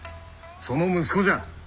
その息子じゃ！